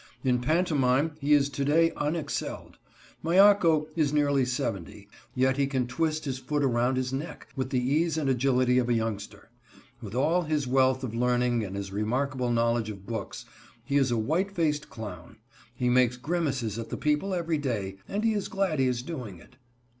In pantomime he is to day unexcelled. Miaco is nearly seventy, yet he can twist his foot around his neck with the ease and agility of a youngster. With all his wealth of learning and his remarkable knowledge of books, he is a white faced clown; he makes grimaces at the people every day, and he is glad he is doing it.